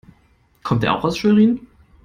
Kommt er auch aus Schwerin?